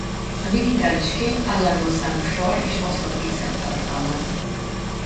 A digitális kép állandó számú sor és oszlop pixelt tartalmaz.